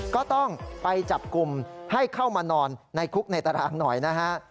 ก็ต้องไปจับกลุ่มให้เข้ามานอนในคุกในตารางหน่อยนะฮะ